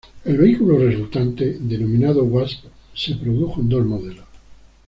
El vehículo resultante, denominado "Wasp", se produjo en dos modelos.